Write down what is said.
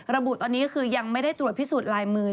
ระบุตอนนี้คือยังไม่ได้ตรวจพิสูจน์ลายมือ